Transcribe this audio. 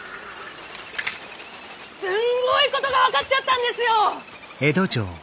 すんごいことが分かっちゃったんですよっ！